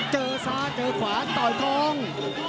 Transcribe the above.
เจอซ้ายเจอขวาต่อยทอง